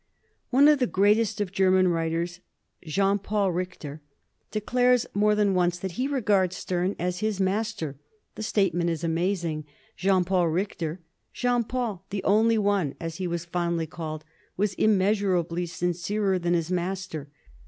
One of the greatest of German writers, Jean Paul Rich 1760. A LEY£E under DIFFICULTIES. 303 ter, declares more than once that be regards Sterne as his master. The statement is amazing. Jean Paul Bichter, Jean Paul the Only One, as he was fondly called, was im measurably sincerer than his master.